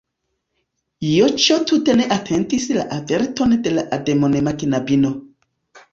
Joĉjo tute ne atentis la averton de la admonema knabino.